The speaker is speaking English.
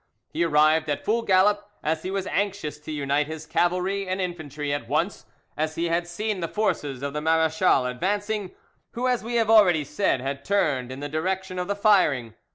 He arrived at full gallop, as he was anxious to unite his cavalry and infantry at once, as he had seen the forces of the marechal advancing, who, as we have already said, had turned in the direction of the firing.